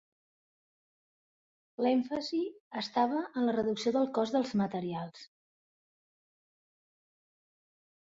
L'èmfasi estava en la reducció del cost dels materials.